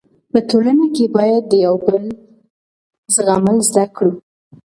په ټولنه کې باید د یو بل زغمل زده کړو.